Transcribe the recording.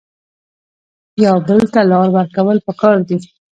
یو بل ته لار ورکول پکار دي